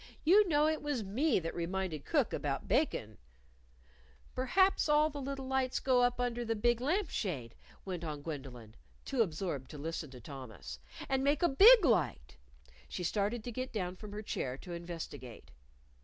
"You know it was me that reminded Cook about bakin' " "Perhaps all the little lights go up under the big lamp shade," went on Gwendolyn, too absorbed to listen to Thomas. "And make a big light." She started to get down from her chair to investigate.